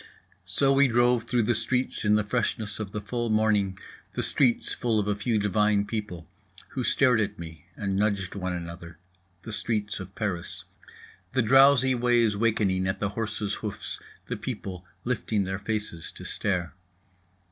So we drove through the streets in the freshness of the full morning, the streets full of a few divine people who stared at me and nudged one another, the streets of Paris … the drowsy ways wakening at the horses' hoofs, the people lifting their faces to stare.